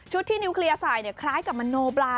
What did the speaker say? ชุดที่นิวเคลียร์ใส่เนี่ยคล้ายกับมันนโบลา